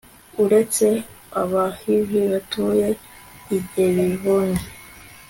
uretse abahivi batuye i gibewoni